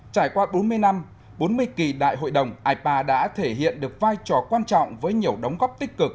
trải qua bốn mươi năm bốn mươi kỳ đại hội đồng ipa đã thể hiện được vai trò quan trọng với nhiều đóng góp tích cực